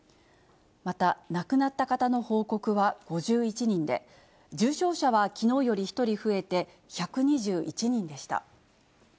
また、亡くなった方の報告は５１人で、重症者はきのうより１人増えて、１２１人でした。